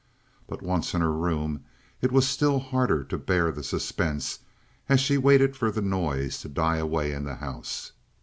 But once in her room it was still harder to bear the suspense as she waited for the noise to die away in the house.